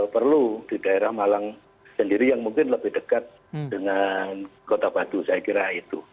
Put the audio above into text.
perlu di daerah malang sendiri yang mungkin lebih dekat dengan kota batu saya kira itu